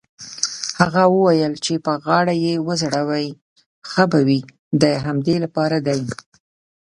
هغه وویل: چې په غاړه يې وځړوې ښه به وي، د همدې لپاره دی.